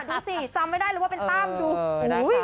ดูสิจำไม่ได้เลยว่าเป็นตั้ม